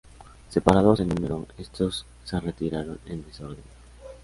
Superados en número, estos se retiraron en desorden.